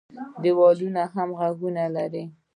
ـ دېوالونو هم غوږونه لري.